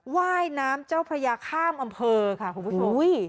ว่ายน้ำเจ้าพระยาข้ามอำเภอค่ะคุณผู้ชม